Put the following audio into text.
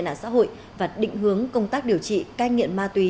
nạn xã hội và định hướng công tác điều trị cai nghiện ma túy